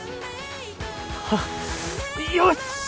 あっよし！